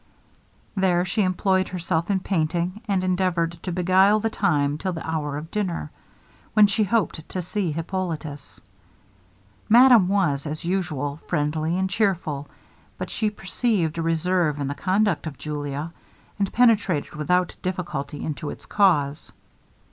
There she employed herself in painting, and endeavoured to beguile the time till the hour of dinner, when she hoped to see Hippolitus. Madame was, as usual, friendly and cheerful, but she perceived a reserve in the conduct of Julia, and penetrated without difficulty into its cause.